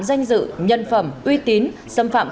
danh dự nhân phẩm uy tín xâm phạm